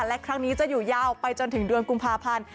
และครั้งนี้จะอยู่ยาวไปจนถึงเดือนกุมภาพันธ์